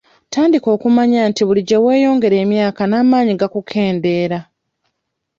Tandika okumanya nti buli gye weeyongera emyaka n'amaanyi gakukendeera.